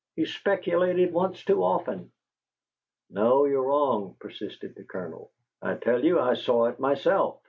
He speculated once too often!" "No, you're wrong," persisted the Colonel. "I tell you I saw it myself."